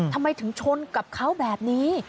ทำไมถึงชนกับเขาแบบนี้